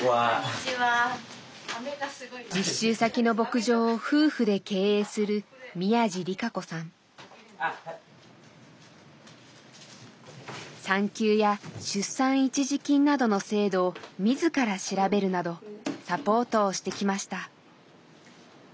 実習先の牧場を夫婦で経営する産休や出産一時金などの制度を自ら調べるなどサポートをしてきました。